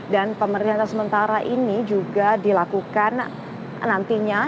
dan pemerintah sementara ini juga dilakukan nantinya